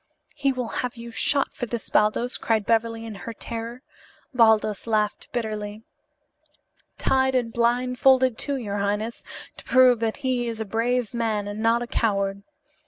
"He will have you shot for this, Baldos," cried Beverly in her terror. Baldos laughed bitterly. "Tied and blindfolded, too, your highness, to prove that he is a brave man and not a coward.